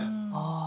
ああ